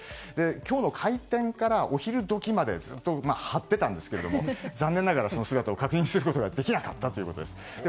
今日の開店からお昼時までずっと張っていたんですが残念ながら、姿を確認することはできなかったということです。